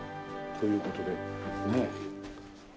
という事でねえ。